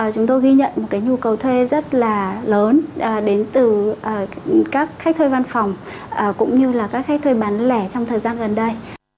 chúng tôi ghi nhận một cái nhu cầu thuê rất là lớn đến từ các khách thuê văn phòng cũng như là các khách thuê bán lẻ trong thời gian gần đây